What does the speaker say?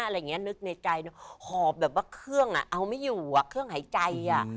นึกในใจหอบแบบว่าเครื่องอ่ะเอาไม่อยู่อ่ะเครื่องหายใจอ่ะ